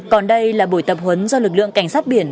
còn đây là buổi tập huấn do lực lượng cảnh sát biển